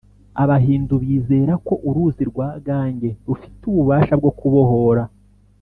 abahindu bizera ko uruzi rwa gange rufite ububasha bwo kubohora